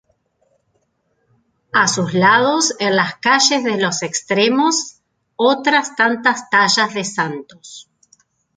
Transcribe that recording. A sus lados, en las calles de los extremos, otras tantas tallas de santos.